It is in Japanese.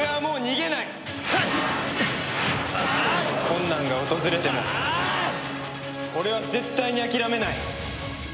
困難が訪れても俺は絶対に諦めない。